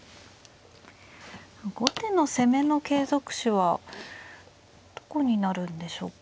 後手の攻めの継続手はどこになるんでしょうか。